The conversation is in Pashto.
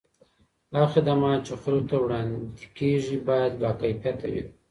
هغه خدمات چي خلګو ته وړاندې کیږي باید با کیفیته وي.